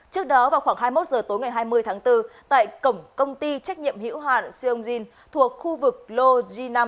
trước đó vào khoảng hai mươi một h tối ngày hai mươi tháng bốn tại cổng công ty trách nhiệm hiểu hoàn siêu dinh thuộc khu vực lô g năm